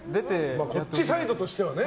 こっちサイドとしてはね。